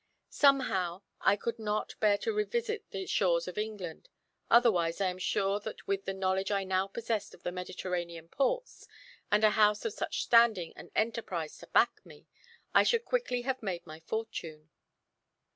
Somehow, I could not bear to revisit the shores of England; otherwise I am sure that with the knowledge I now possessed of the Mediterranean ports, and a house of such standing and enterprise to back me, I should quickly have made my fortune.